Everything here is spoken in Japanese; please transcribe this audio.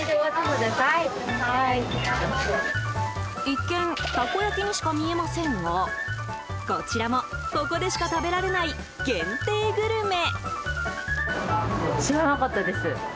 一見たこ焼きにしか見えませんがこちらもここでしか食べられない限定グルメ。